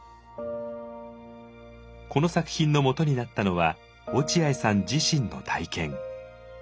この作品のもとになったのは落合さん自身の体験。